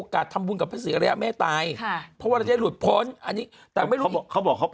คุณพ่อเขายังไม่เกิด